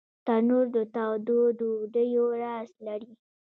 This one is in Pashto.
تنور د تودو ډوډیو راز لري